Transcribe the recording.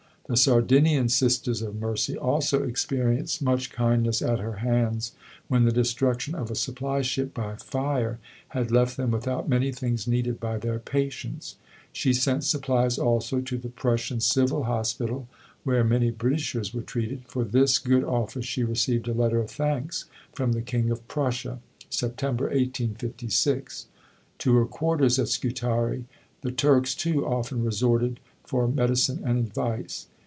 The Sardinian Sisters of Mercy also experienced much kindness at her hands when the destruction of a supply ship by fire had left them without many things needed by their patients. She sent supplies also to the Prussian Civil Hospital, where many Britishers were treated; for this good office she received a letter of thanks from the king of Prussia (Sept. 1856). To her quarters at Scutari, the Turks, too, often resorted for medicine and advice.